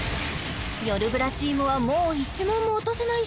よるブラチームはもう１問も落とせない